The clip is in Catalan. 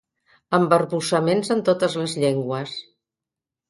Embarbussaments en totes les llengües.